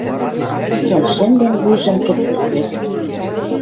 Цикӓл шӹнден вуйжым кӹпцӹк вӹк.